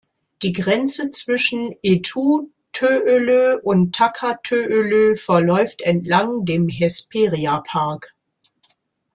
Die Grenze zwischen Etu-Töölö und Taka-Töölö verläuft entlang dem Hesperia-Park.